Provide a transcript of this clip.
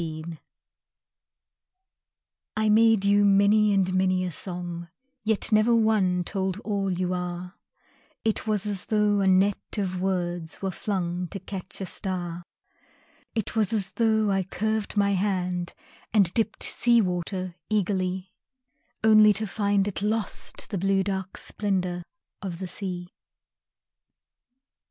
The Net I made you many and many a song, Yet never one told all you are It was as though a net of words Were flung to catch a star; It was as though I curved my hand And dipped sea water eagerly, Only to find it lost the blue Dark splendor of the sea.